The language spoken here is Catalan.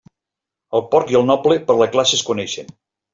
El porc i el noble, per la classe es coneixen.